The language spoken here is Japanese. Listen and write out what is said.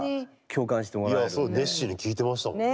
いやすごい熱心に聞いてましたもんね。